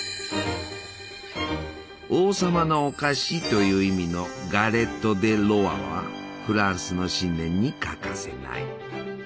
「王様のお菓子」という意味のガレット・デ・ロワはフランスの新年に欠かせない。